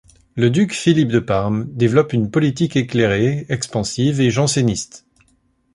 Le duc Philippe de Parme développe une politique éclairée, expansive et janséniste.